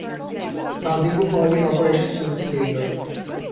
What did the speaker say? Sadiku called it Operation Chelsea Dagger.